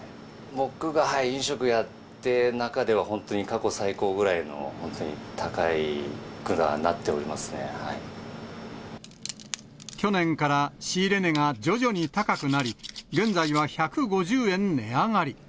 僕が飲食やっている中では、本当に過去最高ぐらいの、本当に去年から仕入れ値が徐々に高くなり、現在は１５０円値上がり。